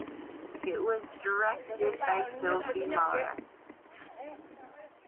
It was directed by Sophie Muller.